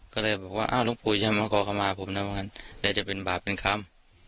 ก็เลยบอกว่าอ้าวลูกปู่อย่ามาก่อกลับมาผมน้ำวันจะเป็นบาปเป็นคำ